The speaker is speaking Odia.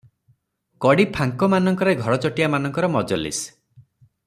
କଡ଼ି ଫାଙ୍କମାନଙ୍କରେ ଘରଚଟିଆ ମାନଙ୍କର ମଜଲିସ୍ ।